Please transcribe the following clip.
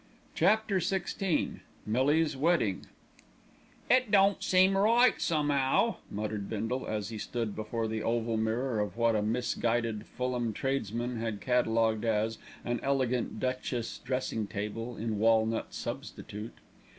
CHAPTER XVI MILLIE'S WEDDING "It don't seem right, some'ow," muttered Bindle, as he stood before the oval mirror of what a misguided Fulham tradesman had catalogued as "an elegant duchesse dressing table in walnut substitute."